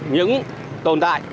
những tồn tại